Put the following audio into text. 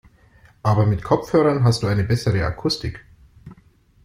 Aber mit Kopfhörern hast du eine bessere Akustik.